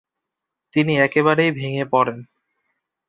তিনি একেবারেই ভেঙ্গে পড়েন।